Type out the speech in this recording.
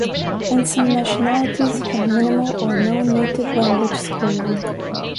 And some nationalities had minimal or no native-language schooling.